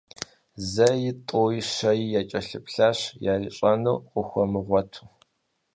Зэи, тӏэуи, щэи якӏэлъыплъащ, ярищӏэнур къыхуэмыгъуэту.